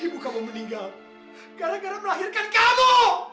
ibu kamu meninggal gara gara melahirkan kamu